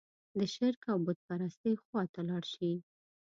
د شرک او بوت پرستۍ خوا ته لاړ شي.